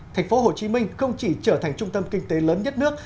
thành phố hồ chí minh không chỉ trở thành trung tâm kinh tế lớn nhất nước